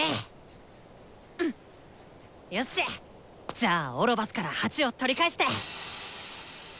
じゃあオロバスから鉢を取り返して。